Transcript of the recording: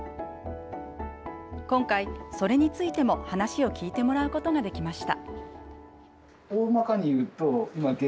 今回、それについても話を聞いてもらうことができました。